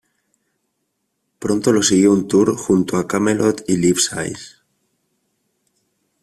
Pronto lo siguió un tour junto a Kamelot y Leaves' Eyes.